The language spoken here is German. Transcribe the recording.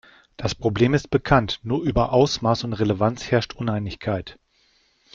Das Problem ist bekannt, nur über Ausmaß und Relevanz herrscht Uneinigkeit.